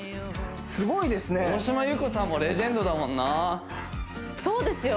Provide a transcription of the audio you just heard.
すごいですね大島優子さんもレジェンドだもんなそうですよ